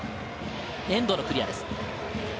遠藤のクリアです。